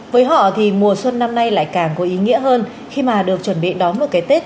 với họ thì mùa xuân năm nay lại càng có ý nghĩa hơn khi mà được chuẩn bị đón một cái tết